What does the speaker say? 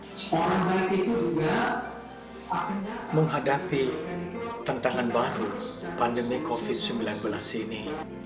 orang berhidup nggak akan menghadapi tantangan baru pandemi covid sembilan belas ini